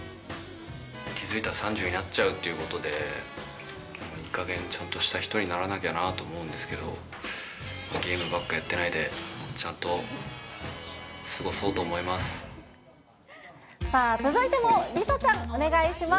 気付いたら３０になっちゃうということで、いいかげん、ちゃんとした人にならなきゃなと思うんですけど、ゲームばっかやってないで、ちゃんと過ごそうとさあ、続いても梨紗ちゃん、お願いします。